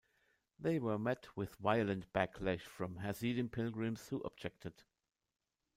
They were met with violent backlash from Hasidim pilgrims who objected.